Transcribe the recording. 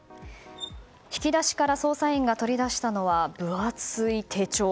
引き出しから捜査員が取り出したのは、分厚い手帳。